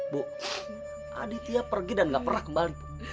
bu aditya pergi dan nggak pernah kembali bu